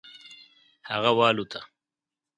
هغه والوته.